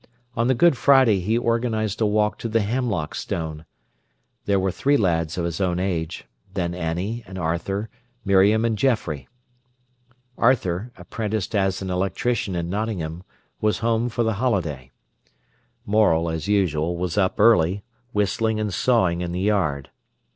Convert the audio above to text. On the Good Friday he organised a walk to the Hemlock Stone. There were three lads of his own age, then Annie and Arthur, Miriam and Geoffrey. Arthur, apprenticed as an electrician in Nottingham, was home for the holiday. Morel, as usual, was up early, whistling and sawing in the yard.